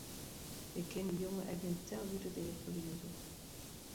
Ik kin dy jonge ek gjin tel út it each ferlieze!